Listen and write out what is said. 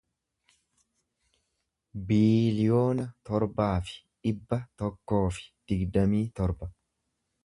biiliyoona torbaa fi dhibba tokkoo fi digdamii torba